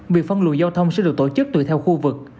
việc phân luồng giao thông sẽ được tổ chức tùy theo khu vực